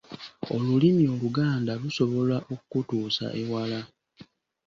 Olulimi Oluganda lusobola okutuusa ewala.